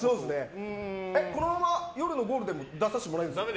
このまま夜のゴールデンに出させてもらえるんですか？